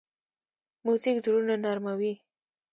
موزیک زړونه نرمه وي.